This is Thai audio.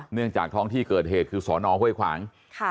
เนื่องจากท้องที่เกิดเหตุคือสอนอห้วยขวาง